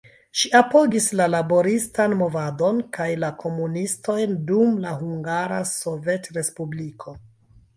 Ŝi apogis la laboristan movadon kaj la komunistojn dum la Hungara Sovetrespubliko.